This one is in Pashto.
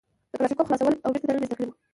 د کلاشينکوف خلاصول او بېرته تړل مې زده کړي وو.